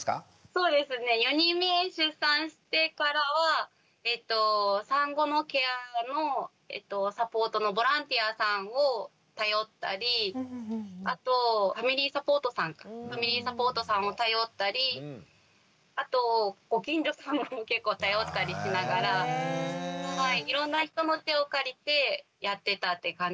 そうですね４人目出産してからは産後のケアのサポートのボランティアさんを頼ったりあとファミリーサポートさんファミリーサポートさんを頼ったりあとご近所さんも結構頼ったりしながらいろんな人の手を借りてやってたって感じがします。